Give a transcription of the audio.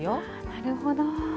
なるほど。